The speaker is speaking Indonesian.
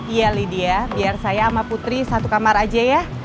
iya lydia biar saya sama putri satu kamar aja ya